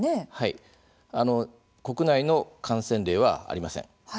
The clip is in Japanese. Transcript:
国内の感染例はありません。